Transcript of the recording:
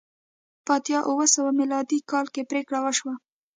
په اتیا اوه سوه میلادي کال کې پرېکړه وشوه